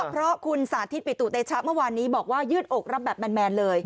เพราะคุณสาธิตปิตุเตชะเมื่อวานนี้บอกว่ายืดอกรับแบบแมนเลย